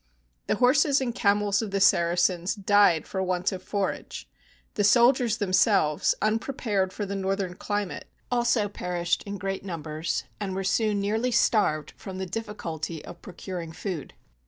The horses and camels of the Saracens died for want of forage; the soldiers themselves, unprepared for the northern climate, also perished in great num THE BOOK OF FAMOUS SIEGES bers and were soon nearly starved from the diffi culty of procuring food.